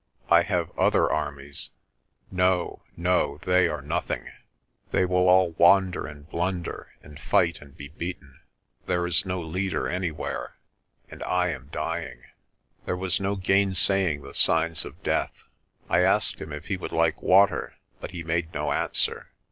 "I have other armies ... No, no, they are nothing. LAST SIGHT OF LAPUTA 241 They will all wander and blunder and fight and be beaten. There is no leader anywhere. ... And I am dying." There was no gainsaying the signs of death. I asked him if he would like water but he made no answer.